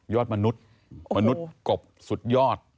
มนุษย์มนุษย์กบสุดยอด